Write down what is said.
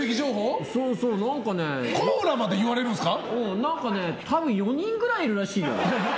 何か、多分４人くらいいるらしいよ。